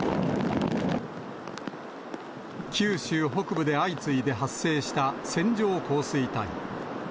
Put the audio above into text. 九州北部で相次いで発生した線状降水帯。